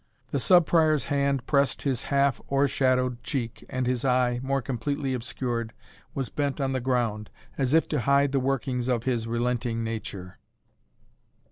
The Sub Prior's hand pressed his half o'ershadowed cheek, and his eye, more completely obscured, was bent on the ground, as if to hide the workings of his relenting nature.